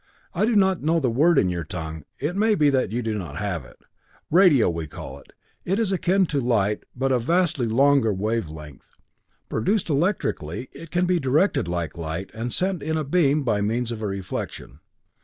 "I do not know the word in your tongue it may be that you do not have it radio we call it it is akin to light, but of vastly longer wavelength. Produced electrically, it can be directed like light and sent in a beam by means of a reflection.